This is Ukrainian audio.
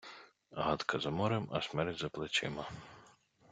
Гадка за морем, а смерть за плечима.